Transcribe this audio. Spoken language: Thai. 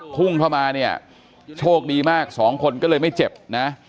พุ่งเข้ามาเนี่ยโชคดีมากสองคนก็เลยไม่เจ็บนะ